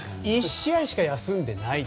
１試合しか休んでいない。